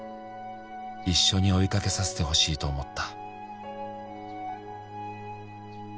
「一緒に追いかけさせてほしいと思った」